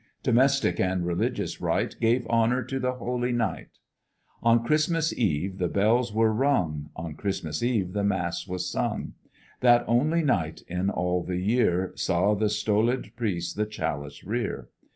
Domestic and religious rite Gave honor to the holy night; On Christmas eve the bells were rung; On Christmas eve the mass was sung; That only night in all the year, Saw the stoled priest the chalice rear.